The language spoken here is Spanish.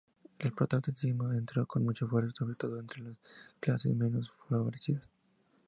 El protestantismo entró con mucha fuerza, sobre todo entre las clases menos favorecidas.